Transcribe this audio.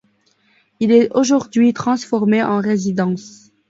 Il est aujourd'hui transformé en résidence.